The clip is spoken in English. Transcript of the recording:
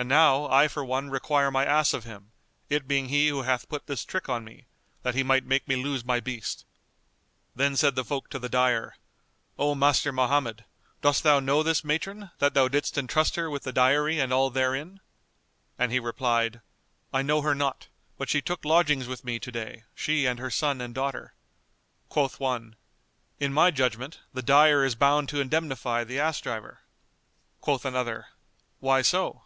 And now, I for one require my ass of him, it being he who hath put this trick on me, that he might make me lose my beast." Then said the folk to the dyer, "O Master Mohammed, dost thou know this matron, that thou didst entrust her with the dyery and all therein?" And he replied, "I know her not; but she took lodgings with me to day, she and her son and daughter." Quoth one, "In my judgment, the dyer is bound to indemnify the ass driver." Quoth another, "Why so?"